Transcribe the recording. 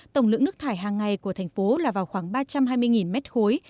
tổng lượng nước thải hàng ngày của thành phố là vào khoảng ba trăm hai mươi mét khối